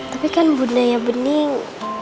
tapi kan bundanya bening